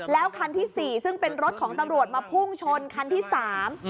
แล้วคันที่สี่ซึ่งเป็นรถของตำรวจมาพุ่งชนคันที่สาม